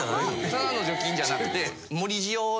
ただの除菌じゃなくて。